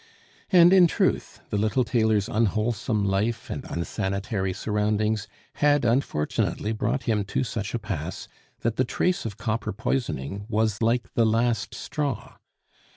And in truth, the little tailor's unwholesome life and unsanitary surroundings had unfortunately brought him to such a pass that the trace of copper poisoning was like the last straw.